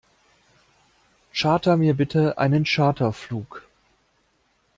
Charter mir bitte einen Charterflug.